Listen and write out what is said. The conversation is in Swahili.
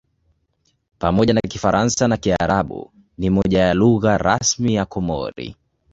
Pamoja na Kifaransa na Kiarabu ni moja ya lugha rasmi ya Komori.